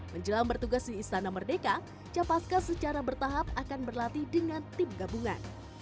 menjelang bertugas di istana merdeka capaska secara bertahap akan berlatih dengan tim gabungan